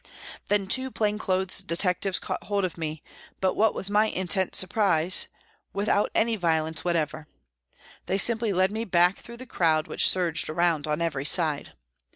Then two plain clothes detectives caught hold of me, but what was my intense surprise, without any violence whatever. They simply led me back through the crowd which surged around on every side.